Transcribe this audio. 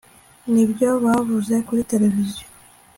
Nibyo bavuze kuri tereviziyo